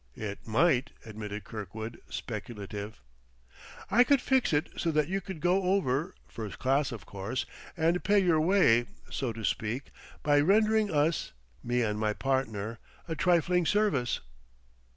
"It might," admitted Kirkwood, speculative. "I could fix it so that you could go over first class, of course and pay your way, so to speak, by, rendering us, me and my partner, a trifling service."